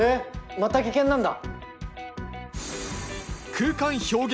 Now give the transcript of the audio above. また技研なんだ。